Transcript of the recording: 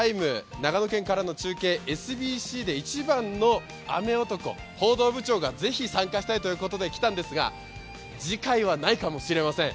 長野県からの中継、ＳＢＣで一番の雨男、報道部長がぜひ参加したいということで来たんですが、次回はないかもしれません。